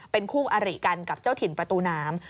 เป็นคู่อาริกันกับเจ้าถิ่นประตูน้ำ